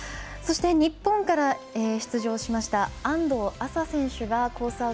そして、日本から出場しました安藤麻選手がコース